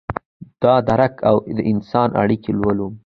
دادراک اودانسان اړیکې لولم